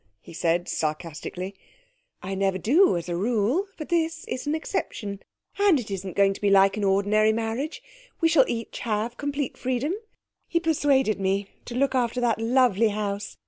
he said sarcastically. 'I never do, as a rule. But this is an exception. And it isn't going to be like an ordinary marriage. We shall each have complete freedom. He persuaded me to look after that lovely house.